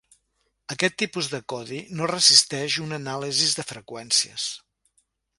Aquest tipus de codi no resisteix una anàlisi de freqüències.